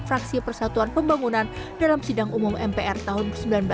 fraksi persatuan pembangunan dalam sidang umum mpr tahun seribu sembilan ratus sembilan puluh